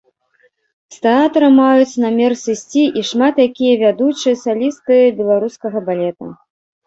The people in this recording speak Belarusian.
З тэатра маюць намер сысці і шмат якія вядучыя салісты беларускага балета.